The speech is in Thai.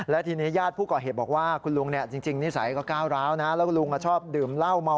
และทีนี้ญาติผู้ก่อเหตุบอกว่าคุณลุงจริงนิสัยก็ก้าวร้าวนะฮะ